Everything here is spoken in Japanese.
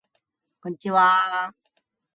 こんちはー